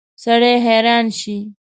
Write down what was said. سړی حیران شي.